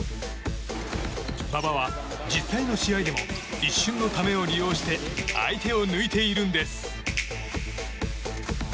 馬場は実際の試合でも一瞬のためを利用して相手を抜いているんです。